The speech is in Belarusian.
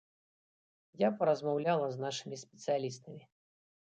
Я паразмаўляла з нашымі спецыялістамі.